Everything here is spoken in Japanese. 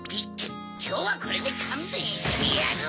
きょうはこれでかんべんしてやる！